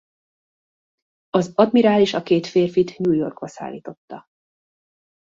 Az admirális a két férfit New Yorkba szállította.